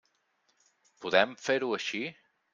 Podem fer-ho així?